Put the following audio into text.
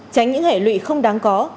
tránh những hệ lụy không đáng có